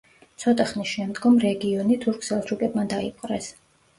ცოტა ხნის შემდგომ რეგიონი, თურქ-სელჩუკებმა დაიპყრეს.